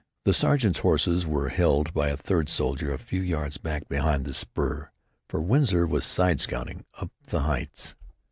The sergeants' horses were held by a third soldier a few yards back behind the spur, for Winsor was "side scouting" up the heights.